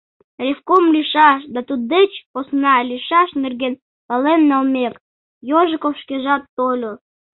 Ревком лийшаш да туддеч посна лийшаш нерген пален налмек, Ежиков шкежат тольо.